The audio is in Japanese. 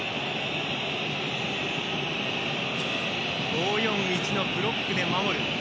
５−４−１のブロックで守る。